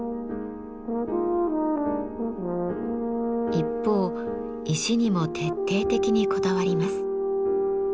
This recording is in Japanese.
一方石にも徹底的にこだわります。